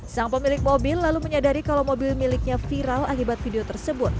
sang pemilik mobil lalu menyadari kalau mobil miliknya viral akibat video tersebut